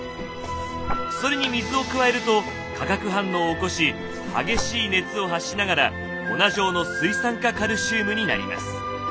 それに水を加えると化学反応を起こし激しい熱を発しながら粉状の水酸化カルシウムになります。